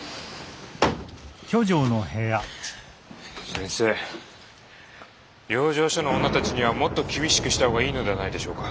先生養生所の女たちにはもっと厳しくした方がいいのではないでしょうか？